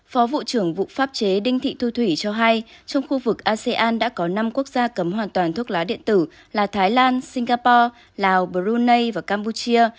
phó vụ trưởng vụ pháp chế đinh thị thu thủy cho hay trong khu vực asean đã có năm quốc gia cấm hoàn toàn thuốc lá điện tử là thái lan singapore lào brunei và campuchia